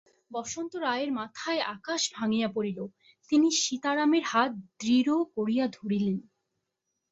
বসন্ত রায়ের মাথায় আকাশ ভাঙিয়া পড়িল, তিনি সীতারামের হাত দৃঢ় করিয়া ধরিলেন।